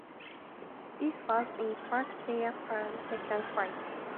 This was in fact their second fight.